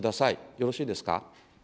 よろしいですか。